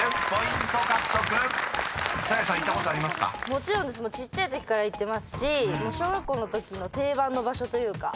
もちろんですちっちゃいときから行ってますし小学校のときの定番の場所というか。